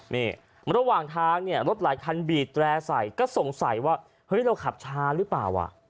นี่ระหว่างทางเนี่ยรถหลายคันบีดแร่ใส่ก็สงสัยว่าเฮ้ยเราขับช้าหรือเปล่า